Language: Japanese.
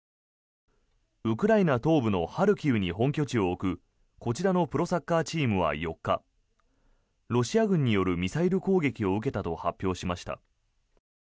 ウクライナ東部のハルキウに本拠地を置くこちらのプロサッカーチームは４日ロシア軍によるミサイル攻撃を受けたと発表しました。